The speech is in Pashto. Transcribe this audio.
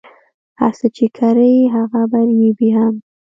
هر څه چی کری هغه به ریبی هم